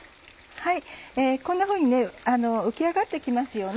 こんなふうに浮き上がって来ますよね。